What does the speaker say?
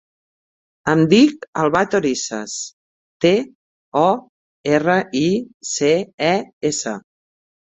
Em dic Albà Torices: te, o, erra, i, ce, e, essa.